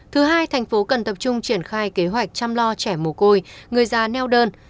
thứ hai thành phố cần tập trung triển khai kế hoạch chăm lo trẻ mồ côi người già neo đơn